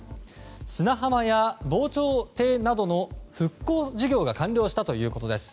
砂浜や防潮堤などの復興事業が完了したということです。